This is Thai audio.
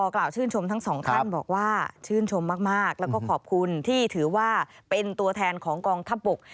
ค่ะชื่นชมมากแล้วก็ขอบคุณที่ถือว่าเป็นตัวแทนของกองทัพบก